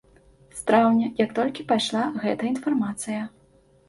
З траўня, як толькі пайшла гэтая інфармацыя.